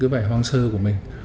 bài hoang sơ của mình